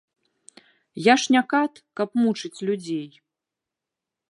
Я ж не кат, каб мучыць людзей.